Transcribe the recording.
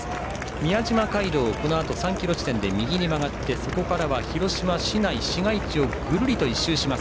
宮島街道をこのあと３ｋｍ地点で右に曲がってそこから広島市内、市街地をぐるりと１周します。